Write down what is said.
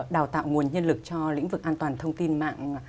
đào tạo nguồn nhân lực cho lĩnh vực an toàn thông tin mạng